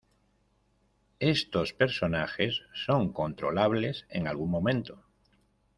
Estos personajes son controlables en algún momento.